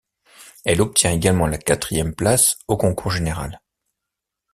Elle obtient également la quatrième place au concours général.